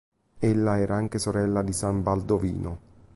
Ella era anche sorella di san Baldovino.